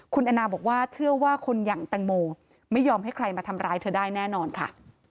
คุณแอนนาบอกว่าเชื่อว่าคนอย่างแตงโมไม่ยอมให้ใครมาทำร้ายเธอได้แน่นอนค่ะ